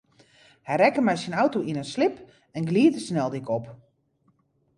Hy rekke mei syn auto yn in slip en glied de sneldyk op.